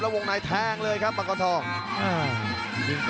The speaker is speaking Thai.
แล้ววงในแท้งเลยครับปะเกาะทอง